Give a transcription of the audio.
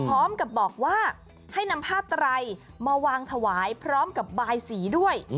พร้อมกับบอกว่าให้นำผ้าไตรมาวางถวายพร้อมกับบายสีด้วย